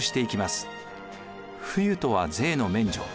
不輸とは税の免除。